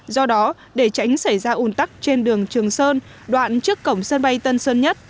do đó để tránh xảy ra ủn tắc trên đường trường sơn đoạn trước cổng sân bay tân sơn nhất